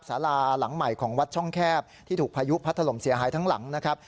สาราหลังใหม่ของวัดช่องแคบที่ถูกพายุพัดถล่มเสียหายทั้งหลังนะครับ